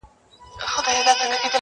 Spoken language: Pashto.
اشنا مي پاته په وطن سو٫